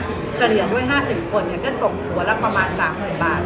เฉลี่ยด้วย๕๐คนก็ตกหัวละประมาณ๓๐๐๐บาท